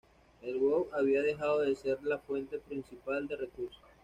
El guano había dejado de ser la fuente principal de recursos.